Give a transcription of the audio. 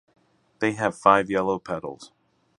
They have five yellow petals.